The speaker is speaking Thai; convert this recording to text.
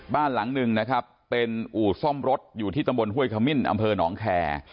บ้านหลังหนึ่งนะครับเป็นอู่ซ่อมรถอยู่ที่ตำบลห้วยขมิ้นอำเภอหนองแคร์